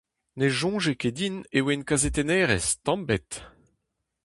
Ne sonje ket din e oan kazetennerez, tamm ebet !